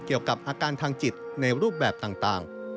เกี่ยวกับอาการทางจิตในรูปแบบต่าง